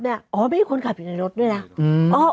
อ๋อมีคนขับอยู่ในรถด้วยนะ